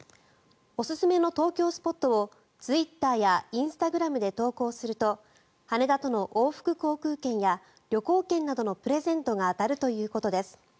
おすすめの東京スポットをツイッターやインスタグラムで投稿すると羽田との往復航空券や旅行券などのプレゼントが当たるということです。